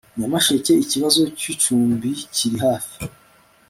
Nyamasheke Ikibazo cy icumbi kiri hafi